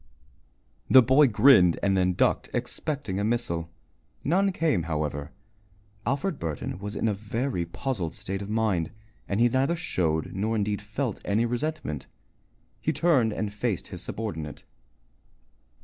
The boy grinned and then ducked, expecting a missile. None came, however. Alfred Burton was in a very puzzled state of mind, and he neither showed nor indeed felt any resentment. He turned and faced his subordinate.